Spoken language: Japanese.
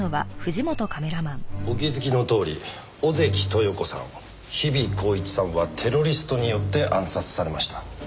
お気づきのとおり小関豊子さん日比紘一さんはテロリストによって暗殺されました。